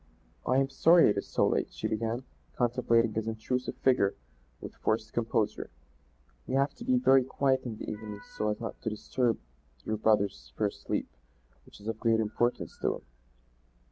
"I am sorry it is so late," she began, contemplating his intrusive figure with forced composure. "We have to be very quiet in the evenings so as not to disturb your brother's first sleep which is of great importance to him."